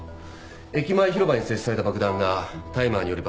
駅前広場に設置された爆弾がタイマーにより爆発。